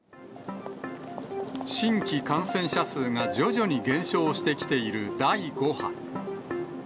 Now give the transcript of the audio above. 新規感染者数が徐々に減少してきている第５波。